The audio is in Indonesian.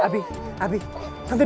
tapi biar mama tau